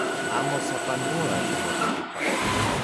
Amo sapanoa ximotekipacho